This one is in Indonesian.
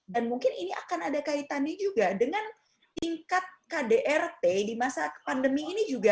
dan mungkin ini akan ada kaitan nih juga dengan tingkat kdrt di masa pandemi ini juga